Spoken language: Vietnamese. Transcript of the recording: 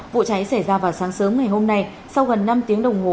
vụ cháy xảy ra vào sáng sớm ngày hôm nay sau gần năm tiếng đồng hồ